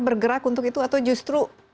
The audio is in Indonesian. bergerak untuk itu atau justru